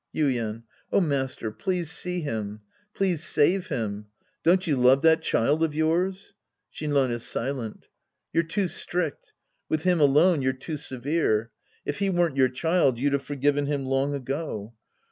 Yuien. Oh, master, please see him. Please save him. Don't you love that child of yours ? (Shinran is silent.') You're too strict. With him alone, you're too severe. If he weren't your child, you'd have for given him long ago.